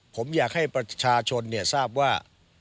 ผมอยากให้ประชาชนทราบว่า